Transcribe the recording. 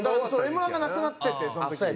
Ｍ−１がなくなっててその時。